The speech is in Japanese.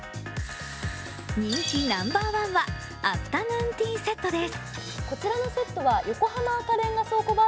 人気ナンバーワンはアフタヌーンティーセットです。